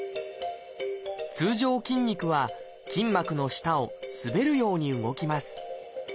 通常筋肉は筋膜の下を滑るように動きます。